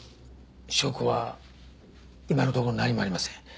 証拠は今のところ何もありません。